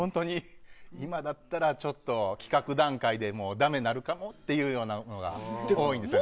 今だったら、ちょっと企画段階でダメになるかもというようなのが多いんですよね。